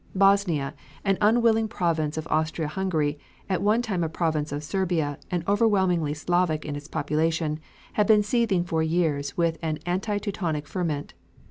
Bosnia, an unwilling province of Austria Hungary, at one time a province of Serbia and overwhelmingly Slavic in its population, had been seething for years with an anti Teutonic ferment.